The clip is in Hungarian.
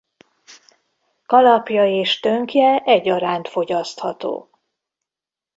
Kalapja és tönkje egyaránt fogyasztható.